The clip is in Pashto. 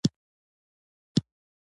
یو دوه دانې مې له چکني سره وخوړلې.